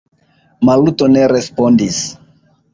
Maluto ne respondis.